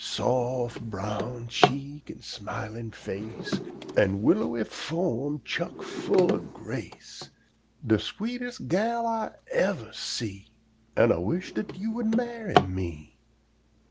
Sof brown cheek, an' smilin' face, An' willowy form chuck full o' grace De sweetes' gal Ah evah see, An' Ah wush dat you would marry me!